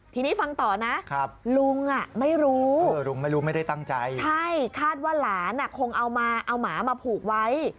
ทีนี้ฟังต่อนะลุงไม่รู้ลุงไม่รู้ไม่ได้ตั้งใจใช่คาดว่าหลานคงเอามาเอาหมามาผูกไว้